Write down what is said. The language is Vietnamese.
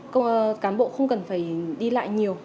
các cán bộ không cần phải đi lại nhiều